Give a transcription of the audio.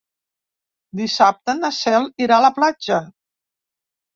Dissabte na Cel irà a la platja.